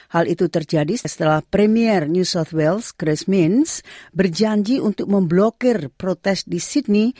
hal itu terjadi setelah premier new south wales chris mins berjanji untuk memblokir protes di sydney